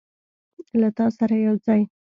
له تا سره یوځای